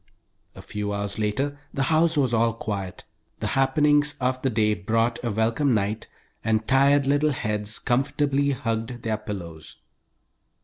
A few hours later the house was all quiet. The happenings of the day brought a welcome night, and tired little heads comfortably hugged their pillows.